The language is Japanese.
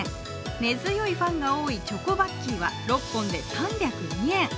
根強いファンが多いチョコバッキーは６本で３０２円。